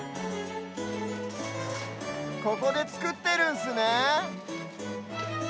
ここでつくってるんすね。